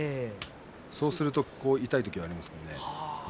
そうすると痛い時もありますね。